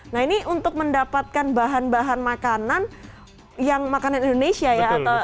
nah ini untuk mendapatkan bahan bahan makanan yang makanan indonesia ya